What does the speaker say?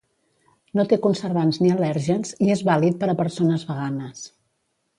No té conservants ni al·lèrgens i és vàlid per a persones veganes.